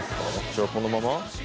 じゃあこのまま？